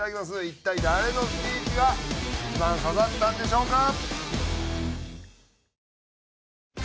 一体誰のスピーチが一番刺さったんでしょうか？